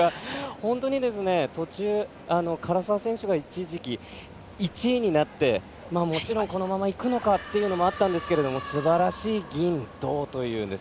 本当に、途中唐澤選手が一時期１位になってもちろん、このままいくのかというのもあったんですがすばらしい銀、銅という。